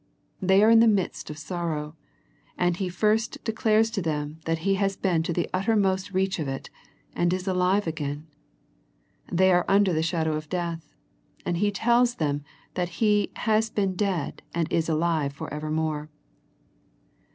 They are in the midst of sorrow, and He first declares to them that He has been to the uttermost reach of it, and is alive again. They are under the shadow of death, and He tells them that He " has been dead, and is alive forevermore."